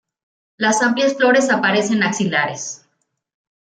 Las amplias flores aparecen axilares.